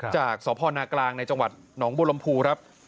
จากสพนกลางในจังหวัดหนองบุรมภูครับ